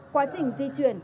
quá trình di chuyển